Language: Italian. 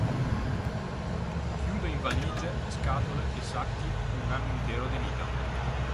Chiudo in valigie, scatole e sacchi un anno intero di vita.